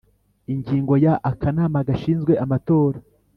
Ingingo ya Akanama gashinzwe amatora